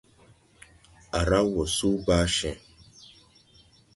Á raw woo su baa cee.